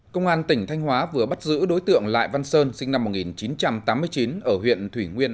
công an tỉnh thanh hóa vừa bắt giữ đối tượng lại văn sơn sinh năm một nghìn chín trăm tám mươi chín ở huyện thủy nguyên